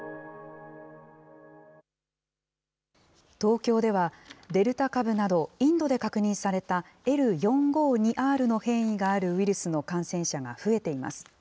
東京では、デルタ株などインドで確認された、Ｌ４５２Ｒの変異があるウイルスの感染者が増えています。